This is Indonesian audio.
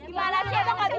cucu saya udah nangis di sini